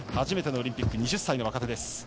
初めてのオリンピック２０歳の若手です。